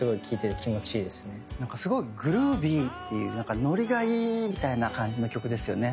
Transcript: なんかすごいグルービーっていうなんかノリがいい！みたいな感じの曲ですよね。